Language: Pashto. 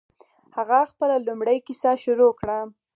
هغه خپله لومړۍ کیسه شروع کړه.